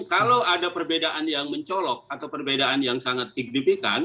kalau ada perbedaan yang mencolok atau perbedaan yang sangat signifikan